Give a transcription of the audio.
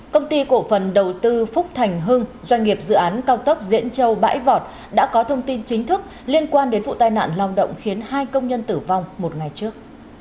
công ty cổ phần đầu tư phúc thành hưng doanh nghiệp dự án cao tốc diễn châu bãi vọt đã có thông tin chính thức liên quan đến vụ tai nạn lao động khiến hai công nhân tử vong một ngày trước